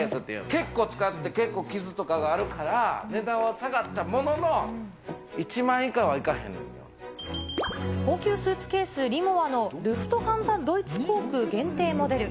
結構使って、結構傷とかがあるから、値段は下がったものの、高級スーツケース、リモワのルフトハンザドイツ航空限定モデル。